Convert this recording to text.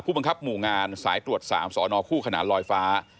บังคับหมู่งานสายตรวจ๓สนคู่ขนานลอยฟ้า